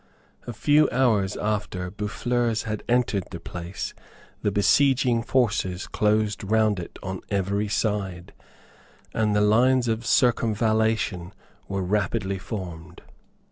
A few hours after Boufflers had entered the place the besieging forces closed round it on every side; and the lines of circumvallation were rapidly formed.